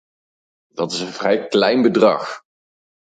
Dat is een vrij klein bedrag.